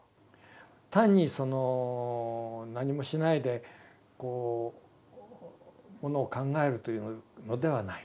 単にその何もしないでこうものを考えるというのではない。